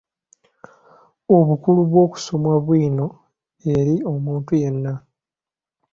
Obukulu bw’okusoma bwino eri omuntu yenna.